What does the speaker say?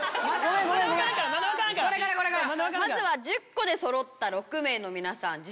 まずは１０個でそろった６名の皆さん